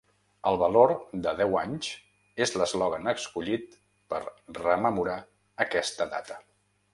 “El valor de deu anys” és l’eslògan escollit per rememorar aquesta data.